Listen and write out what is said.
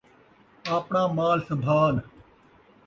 اپݨا مال سنبھال